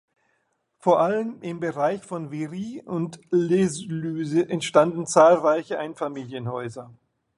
Vor allem im Bereich von Viry und L’Eluiset entstanden zahlreiche Einfamilienhäuser.